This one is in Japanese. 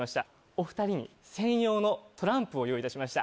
お２人に専用のトランプを用意いたしました。